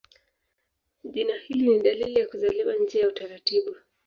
Jina hili ni dalili ya kuzaliwa nje ya utaratibu.